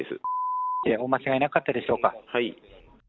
×××でお間違いなかったでしょうか。